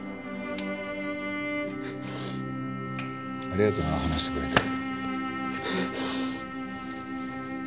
ありがとな話してくれて。